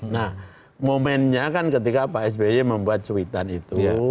nah momennya kan ketika pak sby membuat cuitan itu